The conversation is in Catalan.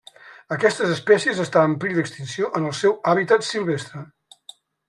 Aquestes espècies estan en perill d'extinció en el seu hàbitat silvestre.